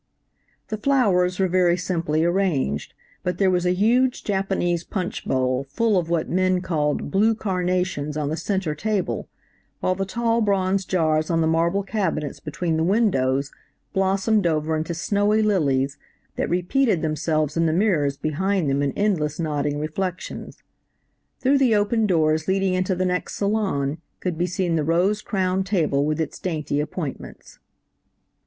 "The flowers were very simply arranged, but there was a huge Japanese punch bowl full of what Min called "blue carnations" on the center table, while the tall bronze jars on the marble cabinets between the windows blossomed over into snowy lilies, that repeated themselves in the mirrors behind them in endless nodding reflections. Through the open doors leading into the next salon could be seen the rose crowned table with its dainty appointments.